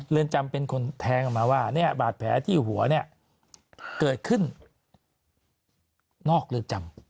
เรือนจำเป็นคนแทงออกมาว่าเนี่ยบาดแผลที่หัวเนี่ยเกิดขึ้นนอกเรือนจำ